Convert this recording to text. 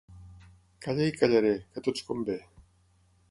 Calla i callaré, que a tots convé.